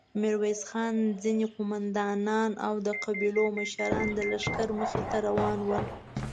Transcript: ميرويس خان، ځينې قوماندانان او د قبيلو مشران د لښکر مخې ته روان ول.